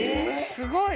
すごい！